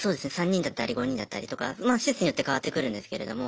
３人だったり５人だったりとかまあ施設によって変わってくるんですけれども。